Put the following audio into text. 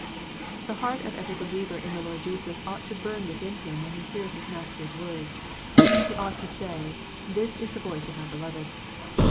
The heart of every believer in the Lord Jesus ought to burn within him when he hears his Master s words : he ought to say, " This is the voice of my beloved."